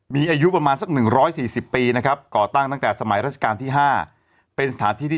มีอายุประมาณ๑๔๐ปี